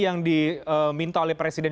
yang diminta oleh presiden